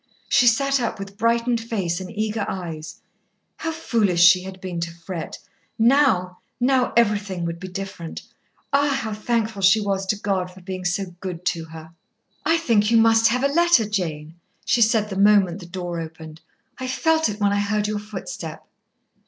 She sat up with brightened face and eager eyes. How foolish she had been to fret. Now now everything would be different. Ah! how thankful she was to God for being so good to her! "I think you must have a letter, Jane," she said the moment the door opened. "I felt it when I heard your footstep."